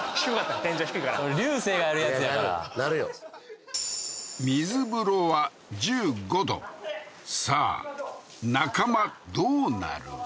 天井低いからこれ流星がやるやつやから水風呂は１５度さあ中間どうなる？